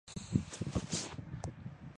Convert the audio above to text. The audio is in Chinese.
劳巴赫是德国黑森州的一个市镇。